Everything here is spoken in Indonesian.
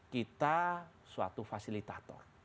kita suatu fasilitator